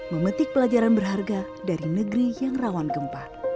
memetik pelajaran berharga dari negeri yang rawan gempa